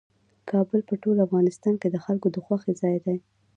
کابل په ټول افغانستان کې د خلکو د خوښې ځای دی.